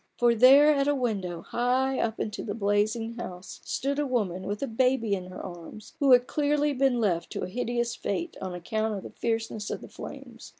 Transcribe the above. For there at a window high up in the blazing house, stood a woman with a baby in her arms, who had clearly been left to a hideous fate on account of the fierceness of the flames.